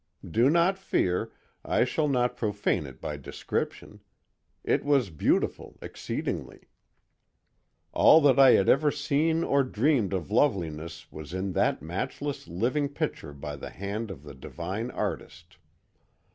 Do not fear; I shall not profane it by description; it was beautiful exceedingly. All that I had ever seen or dreamed of loveliness was in that matchless living picture by the hand of the Divine Artist.